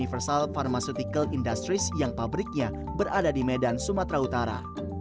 universal pharmaceutical industries yang pabriknya berada di medan sumatera utara